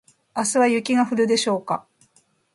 明日は雪が降るのでしょうか